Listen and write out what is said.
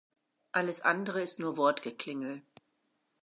Alles andere ist nur Wortgeklingel.